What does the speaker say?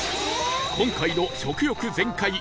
今回の食欲全開